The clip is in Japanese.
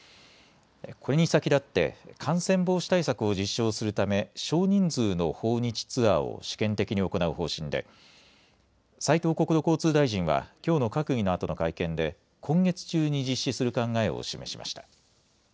これに先立って感染防止対策を実証するため少人数の訪日ツアーを試験的に行う方針で斉藤国土交通大臣はきょうの閣議のあとの会見で今月中に実施する考えを示しました。